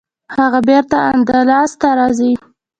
هغه بیرته اندلس ته راځي.